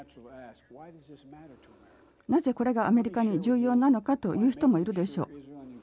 なぜこれがアメリカに重要なのかという人もいるでしょう。